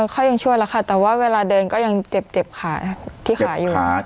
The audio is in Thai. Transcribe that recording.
เขายังช่วยแล้วค่ะแต่ว่าเวลาเดินก็ยังเจ็บขาที่ขาอยู่